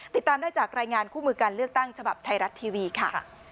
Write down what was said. ติดตามได้จากรายงานคู่มือการเลือกตั้งฉบับไทยรัฐทีวีค่ะ